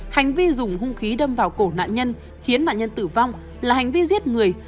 hành vi dùng hung khí đâm vào cổ nạn nhân khiến nạn nhân tử vong là hành vi giết người